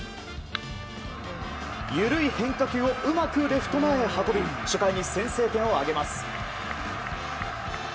緩い変化球をうまくレフト前へ運び初回に先制点を挙げます。